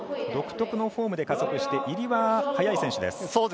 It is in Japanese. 独特のフォームで加速して入りは速い選手です。